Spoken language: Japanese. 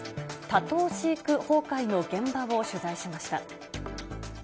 多頭飼育崩壊の現場を取材しました。